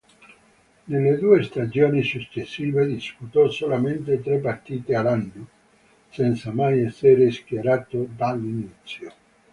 Nelle due stagioni successive disputò solamente tre partite all'anno, senza mai essere schierato dall'inizio.